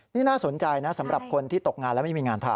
นี่น่าสนใจนะสำหรับคนที่ตกงานแล้วไม่มีงานทำ